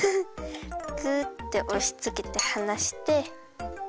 グッておしつけてはなして。